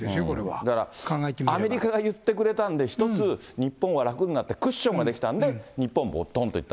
だから、アメリカが言ってくれたんで、一つ、日本は楽になって、クッションが出来たんで、日本もぼっとんっていった。